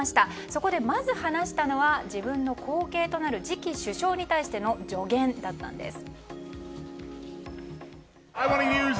そこで、まず話したのは自分の後継となる次期首相に対しての助言だったんです。